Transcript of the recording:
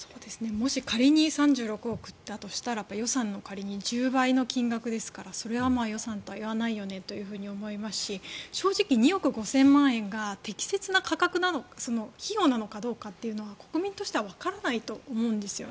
もし仮に３６億だとしたら予算の仮に１０倍の金額ですからそれは予算とは言わないよねと思いますし正直２億５０００万円が適切な価格なのか費用なのかどうかというのは国民としてはわからないと思うんです。